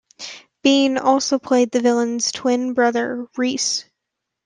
Bean also played the villain's twin brother, Reese.